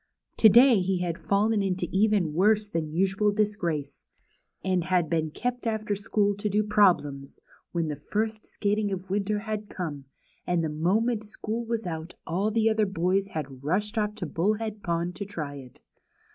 To day he had fallen into even worse than usual dis grace, and had been kept after school to do problems, when the first skating of the winter had come, and the moment school w^as out all the other boys had rushed off to Bullhead Pond to try it.